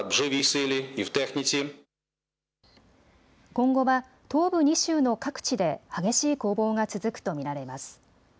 今後は東部２州の各地で激しい攻防が続くと見られます。